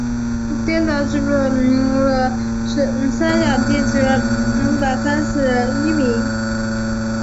殿试登进士第三甲第一百三十一名。